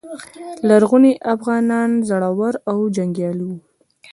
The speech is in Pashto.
لرغوني افغانان زړور او جنګیالي وو